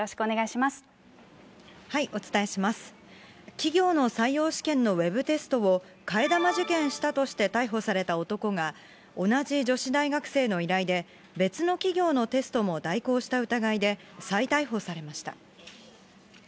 企業の採用試験のウェブテストを替え玉受験したとして逮捕された男が、同じ女子大学生の依頼で、別の企業のテストも代行した疑いで、再逮捕されました。